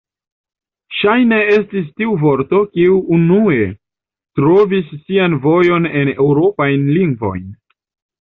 Ŝajne estis tiu vorto, kiu unue trovis sian vojon en eŭropajn lingvojn.